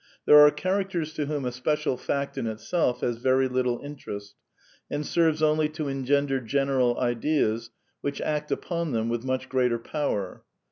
There are character to whom a special fact in itself has very little interest, and seiTCS only to engender general ideas which act upon them with much greater power.